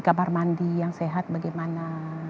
kamar mandi yang sehat bagaimana